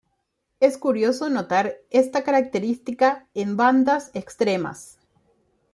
Es curioso notar esta característica en bandas extremas.